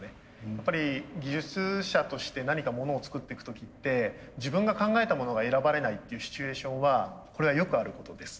やっぱり技術者として何か物を作っていく時って自分が考えたものが選ばれないっていうシチュエーションはこれはよくあることです。